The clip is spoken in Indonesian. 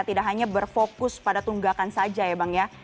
tidak hanya berfokus pada tunggakan saja ya bang ya